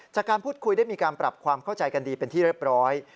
จากการพูดคุยได้มีการปรับความเข้าใจกันดีเป็นที่เรียบร้อย